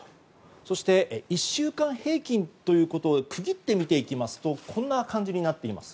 そして１週間平均ということを区切ってみますとこんな感じになっています。